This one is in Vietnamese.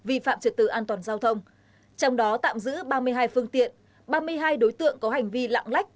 vi phạm trật tự an toàn giao thông trong đó tạm giữ ba mươi hai phương tiện ba mươi hai đối tượng có hành vi lạng lách